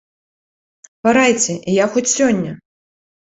Парайце, і я хоць сёння!